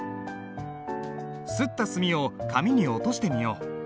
磨った墨を紙に落としてみよう。